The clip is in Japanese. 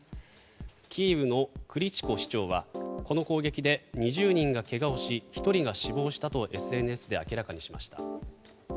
キーウのクリチコ市長はこの攻撃で２０人が怪我をし１人が死亡したとＳＮＳで明らかにしました。